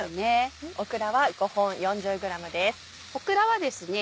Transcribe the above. オクラはですね